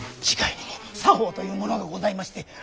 自害にも作法というものがございまして。